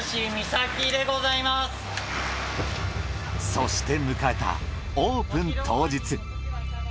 そして迎えたオープン当日。